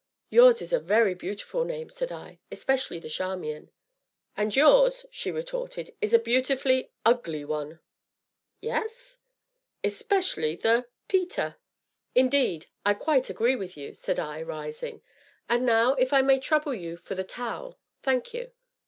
"Yours is a very beautiful name," said I, "especially the Charmian!" "And yours," she retorted, "is a beautifully ugly one!" "Yes?" "Especially the Peter!" "Indeed, I quite agree with you," said I, rising, "and now, if I may trouble you for the towel thank you!"